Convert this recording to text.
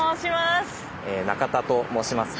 中田と申します。